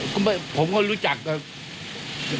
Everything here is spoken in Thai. ก็ไม่ผมก็รู้จักกัน